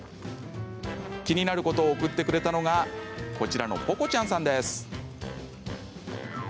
気になることを送ってくれたのがこちらの、ぽこちゃんさんです。